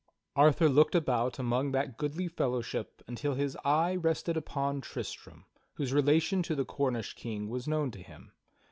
Arthur looked about among that goodly fellowship until his eye rested upon Tristram, whose relation to the Cornish king was known to him.